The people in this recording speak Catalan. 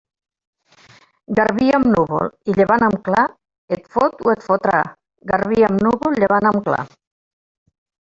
Garbí amb núvol i llevant amb clar, et fot o et fotrà Garbí amb núvol, llevant amb clar.